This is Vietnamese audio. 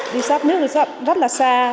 đi sắp nước thì sắp rất là xa